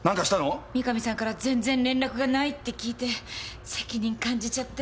三神さんから全然連絡がないって聞いて責任感じちゃって。